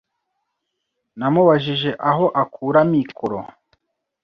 namubajije aho akura amikoro